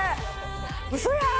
ウソやん！